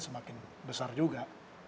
semakin besar juga